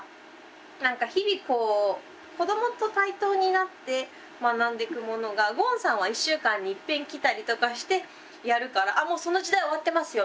何か日々こう子どもと対等になって学んでいくものがゴンさんは１週間にいっぺん来たりとかしてやるから「あっもうその時代終わってますよ」